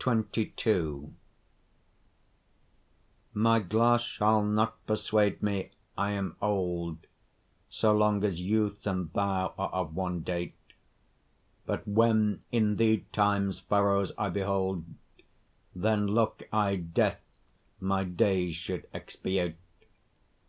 XXII My glass shall not persuade me I am old, So long as youth and thou are of one date; But when in thee time's furrows I behold, Then look I death my days should expiate.